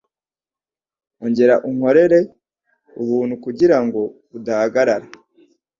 ongera unkore ubuntu kugirango udahagarara